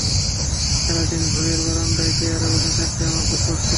সারা দিন ঘরের বারান্দায় চেয়ারে বসে থাকতে আমার খুব কষ্ট হয়।